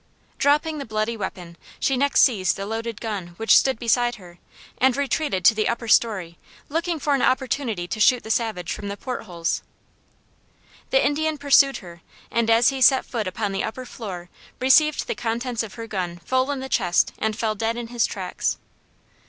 Dropping the bloody weapon, she next seized the loaded gun which stood beside her and retreated to the upper story looking for an opportunity to shoot the savage from the port holes. The Indian pursued her and as he set foot upon the upper floor received the contents of her gun full in the chest and fell dead in his tracks.